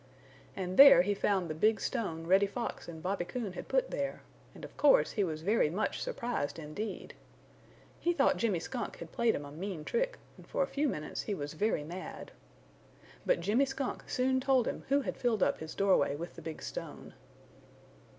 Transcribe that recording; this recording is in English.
And there he found the big stone Reddy Fox and Bobby Coon had put there, and of course he was very much surprised indeed. He thought Jimmy Skunk had played him a mean trick and for a few minutes he was very mad. But Jimmy Skunk soon told him who had filled up his doorway with the big stone.